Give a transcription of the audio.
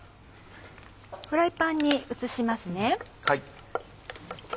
フライパンに移しますね。